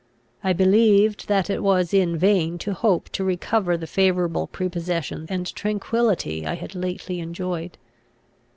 I believed that it was in vain to hope to recover the favourable prepossession and tranquillity I had lately enjoyed.